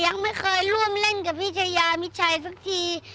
ยังไม่เคยร่วมเล่นกับพี่ชายามิชัยสักที